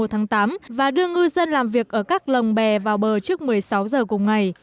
một tháng tám và đưa ngư dân làm việc ở các lồng bè vào bờ trước một mươi sáu giờ cùng ngày